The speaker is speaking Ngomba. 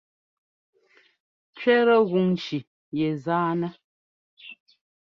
Cʉɛtɛ́ gún ŋci yɛ zánɛ́.